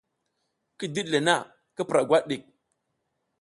Ki diɗ le na, ki pura gwat ɗik !